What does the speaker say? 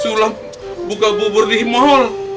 sulap buka bubur di mall